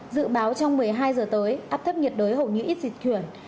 dự báo trong một mươi hai giờ tới áp thấp nhiệt đới hầu như ít dịch chuyển